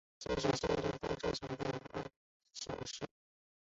现时效力丹超球队阿晓士。